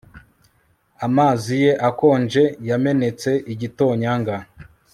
Amazi ye akonje yamenetse igitonyanga